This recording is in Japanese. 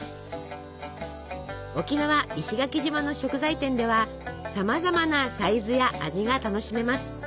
沖縄石垣島の食材店ではさまざまなサイズや味が楽しめます。